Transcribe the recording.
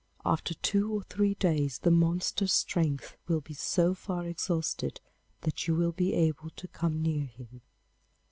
After two or three days the monster's strength will be so far exhausted that you will be able to come near him.